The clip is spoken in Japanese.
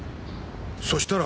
そしたら。